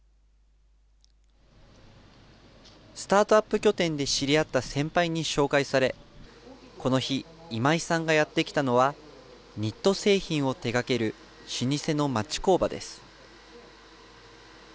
スタートアップ拠点で知り合った先輩に紹介され、この日、今井さんがやって来たのは、ニット製品を手がける老舗の町工場です。